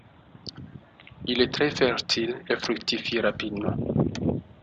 Il est très fertile et fructifie rapidement.